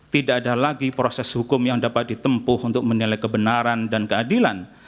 tidak ada lagi proses hukum yang dapat ditempuh untuk menilai kebenaran dan keadilan